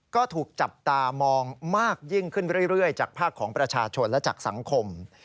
ก็ถูกจับตามองมากยิ่งขึ้นเรื่อยจากภาคของประชาชนและจากสังคม